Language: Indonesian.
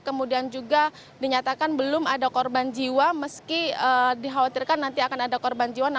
kemudian juga dinyatakan belum ada korban jiwa meski dikhawatirkan nanti akan ada korban jiwa